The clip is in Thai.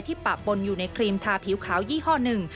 ปะปนอยู่ในครีมทาผิวขาวยี่ห้อหนึ่ง